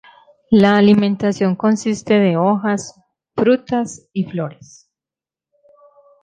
La alimentación consiste de hojas, frutas y flores.